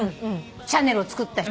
シャネルをつくった人。